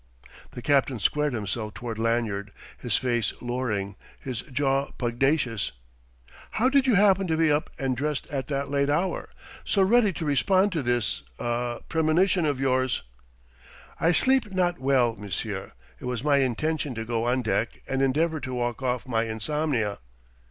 The captain squared himself toward Lanyard, his face louring, his jaw pugnacious. "How did you happen to be up and dressed at that late hour, so ready to respond to this ah premonition of yours?" "I sleep not well, monsieur. It was my intention to go on deck and endeavour to walk off my insomnia."